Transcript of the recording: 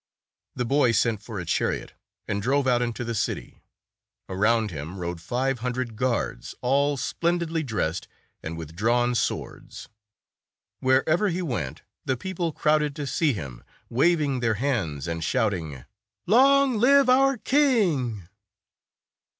The boy sent for a chariot, and drove out into the city. Around him rode five hundred guards, all splendidly dressed, and with drawn swords. Wherever he went, the people crowded to see him, waving their hands and shouting, " Long live our king!"